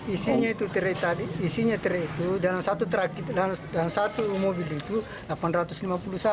isinya itu tirai tadi isinya tirai itu dalam satu mobil itu rp delapan ratus lima puluh